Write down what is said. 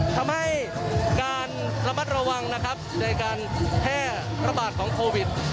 ทำให้การระมัดระวังนะครับในการแพร่ระบาดของโควิด